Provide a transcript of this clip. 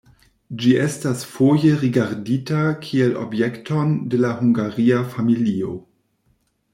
Ĝi estas foje rigardita kiel objekton de la Hungaria familio.